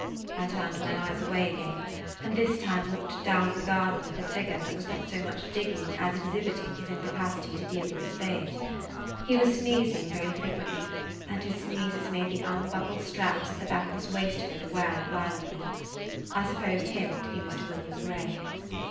I turned my eyes away again, and this time looked down the garden at the figure that [Page 87] was not so much digging as exhibiting his incapacity to deal with a spade. He was sneezing very frequently, and his sneezes made the unbuckled straps at the back of his waistcoat wag violently. I supposed him to be Mr. William Grey.